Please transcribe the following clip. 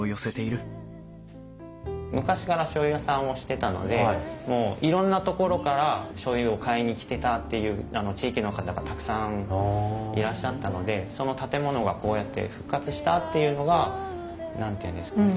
昔からしょうゆ屋さんをしてたのでもういろんな所からしょうゆを買いに来てたっていう地域の方がたくさんいらっしゃったのでその建物がこうやって復活したっていうのが何て言うんですかね